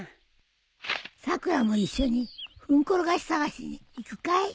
さくらも一緒にフンコロガシ探しに行くかい？